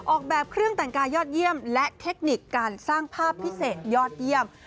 ออกแบบเครื่องแต่งกายยอดเยี่ยมและเทคนิคการสร้างภาพพิเศษยอดเยี่ยม